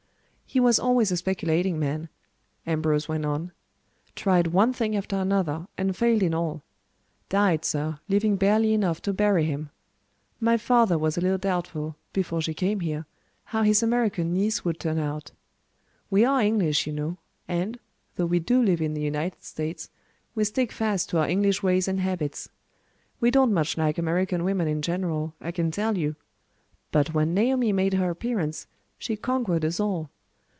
"He was always a speculating man," Ambrose went on. "Tried one thing after another, and failed in all. Died, sir, leaving barely enough to bury him. My father was a little doubtful, before she came here, how his American niece would turn out. We are English, you know; and, though we do live in the United States, we stick fast to our English ways and habits. We don't much like American women in general, I can tell you; but when Naomi made her appearance she conquered us all.